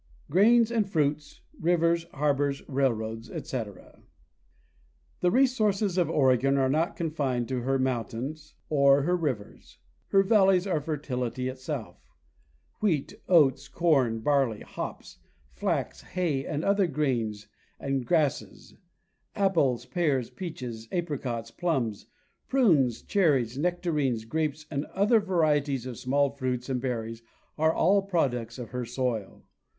Grains and Fruits; Rivers, Harbors, Railroads, ete. The resources of Oregon are not confined to her mountains or her rivers. Her valleys: are fertility itself. Wheat, oats, corn, barley, hops, flax, hay and other grains and grasses; apples, pears, peaches, apricots, plums, prunes, cherries, nectarines, grapes and other varieties of small fruits and berries, are all products of her soil.